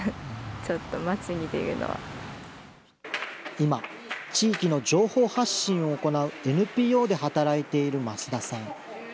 今、地域の情報発信を行うＮＰＯで働いている増田さん。